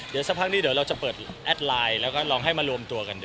เดี๋ยวสักพักนี้เดี๋ยวเราจะเปิดแอดไลน์แล้วก็ลองให้มารวมตัวกันดู